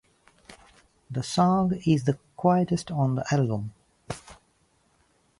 The song is the quietest on the album.